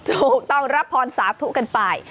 ถูกต้องรับพรสาธุกันไป